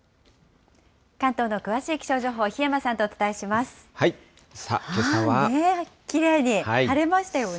関東の詳しい気象情報、檜山さんとお伝えします。